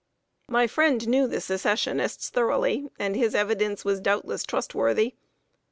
My friend knew the Secessionists thoroughly, and his evidence was doubtless trustworthy.